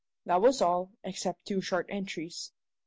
That was all, except two short entries.